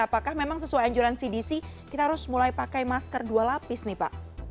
apakah memang sesuai anjuran cdc kita harus mulai pakai masker dua lapis nih pak